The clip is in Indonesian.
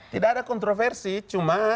tidak ada kontroversi cuma